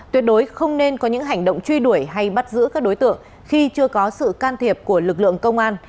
tuyệt đối không nên có những hành động truy đuổi hay bắt giữ các đối tượng khi chưa có sự can thiệp của lực lượng công an